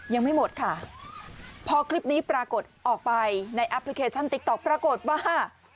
ยังไม่หมดค่ะพอคลิปนี้ปรากฏออกไปในแอปพลิเคชันติ๊กต๊อกปรากฏว่า